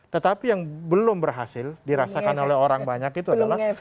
tetapi yang belum berhasil dirasakan oleh orang banyak itu adalah